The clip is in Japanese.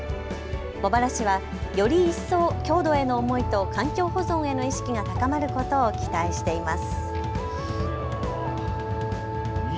茂原市はより一層、郷土への思いと環境保存への意識が高まることを期待しています。